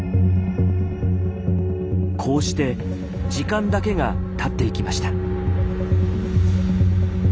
こうして時間だけがたっていきました。